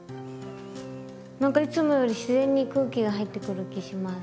なんかいつもより自然に空気が入ってくる気します。